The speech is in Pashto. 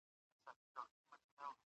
نایله او سجاد دوه زامن لري.